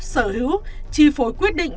sở hữu chi phối quyết định